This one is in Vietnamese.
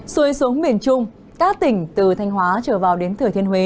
xuôi xuống miền trung các tỉnh từ thanh hóa trở vào đến thừa thiên huế